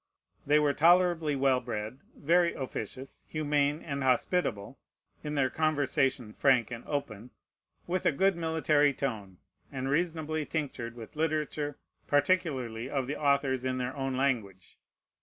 They were tolerably well bred; very officious, humane, and hospitable; in their conversation frank and open; with a good military tone; and reasonably tinctured with literature, particularly of the authors in their own language.